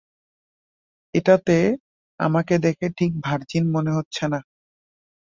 এটাতে আমাকে দেখে ঠিক ভার্জিন মনে হচ্ছে না।